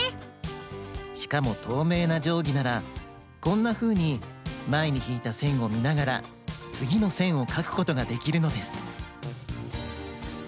しかもとうめいなじょうぎならこんなふうにまえにひいたせんをみながらつぎのせんをかくことができるのです。